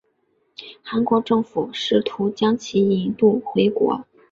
韩国政府试图将其引渡回国。